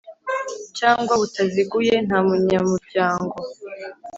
cyangwa butaziguye Nta munyamuryango